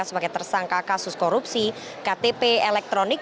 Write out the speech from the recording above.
sebagai tersangka kasus korupsi ktp elektronik